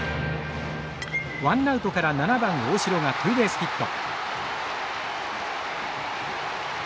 ワンナウトから７番大城がツーベースヒット。